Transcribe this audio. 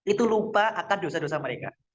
itu lupa akan dosa dosa mereka